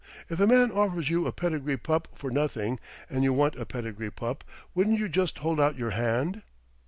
If a man offers you a pedigree pup for nothing, and you want a pedigree pup, wouldn't you just hold out your hand?"